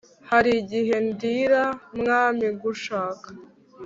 Harigihe ndira mwami ngushaka